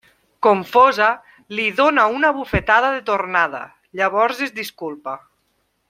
Confosa, li dóna una bufetada de tornada, llavors es disculpa.